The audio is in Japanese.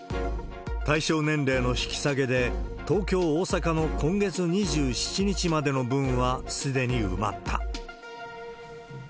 対象年齢の引き下げで、東京、大阪の今月２７日までの分はすでに埋まった。